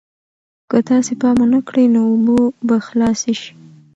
که تاسې پام ونه کړئ نو اوبه به خلاصې شي.